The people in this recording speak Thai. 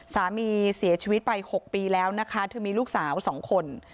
สามีเสียชีวิตไป๖ปีแล้วนะคะเธอมีลูกสาว๒คน